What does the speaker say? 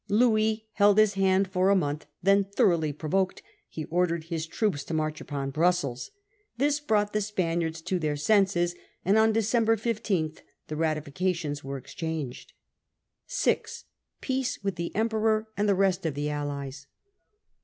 Louis held his hand for a month ; then, thoroughly provoked, he ordered his troops to march* upon Brussels. This brought the Spaniards to their senses, and on Decem ber 15 the ratifications were exchanged. 6. Peace with the Emperor and the Rest of the Allies.